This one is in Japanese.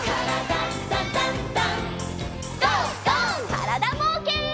からだぼうけん。